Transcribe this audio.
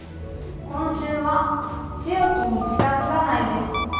今週は「強きに近づかない」です。